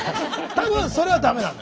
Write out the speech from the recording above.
多分それは駄目なの。